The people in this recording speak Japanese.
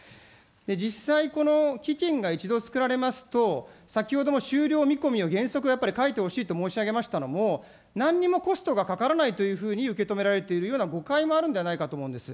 実際、この基金が一度作られますと、先ほども終了見込みを原則やっぱり書いてほしいと申し上げましたのも、なんにもコストがかからないというふうに受け止められているような誤解もあるのではないかと思うんです。